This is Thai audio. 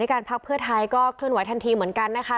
การพักเพื่อไทยก็เคลื่อนไหทันทีเหมือนกันนะคะ